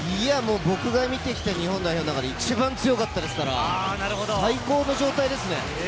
僕が見てきた日本代表の中で一番強かったですから、最高の状態ですね。